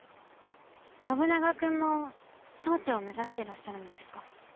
信長君も総長を目指してらっしゃるのですか？